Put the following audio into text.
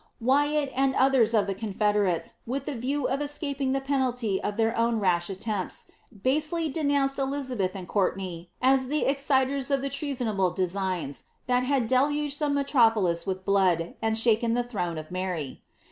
Wyat, and others of the confederates, with the view of escapini^ the penahy of their own rash attempts, basely denounced Eliza beth and Courtcnay as the exciters of the treasonable designs that had deluare<I the metropolis with blood, and shaken the throne of Mary.